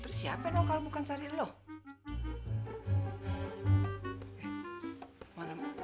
terus siapa dong kalau bukan nyariin lo